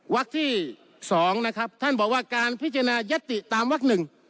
วักที่๒นะครับท่านบอกว่าการพิจารณายติตามวัก๑